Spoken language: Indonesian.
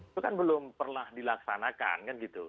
itu kan belum pernah dilaksanakan kan gitu